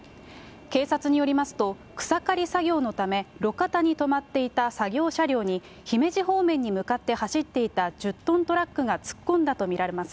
警察によりますと、草刈り作業のため、路肩に止まっていた作業車両に、姫路方面に向かって走っていた１０トントラックが突っ込んだと見られます。